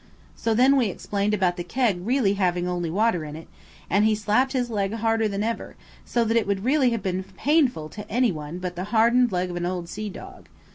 So then we explained about the keg really having only water in, and he slapped his leg again harder than ever, so that it would really have been painful to any but the hardened leg of an old sea dog.